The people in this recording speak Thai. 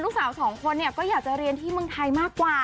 สองคนเนี่ยก็อยากจะเรียนที่เมืองไทยมากกว่า